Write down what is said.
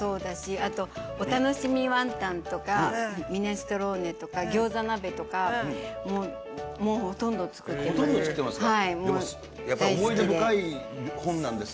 あと、お楽しみワンタンとかミネストローネとか餃子鍋とか、ほとんど作ってます。